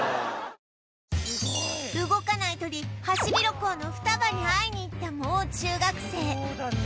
動かない鳥ハシビロコウのふたばに会いに行ったもう中学生